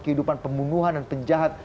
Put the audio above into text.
kehidupan pembunuhan dan penjahat